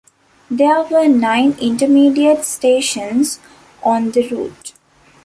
There were nine intermediate stations on the route.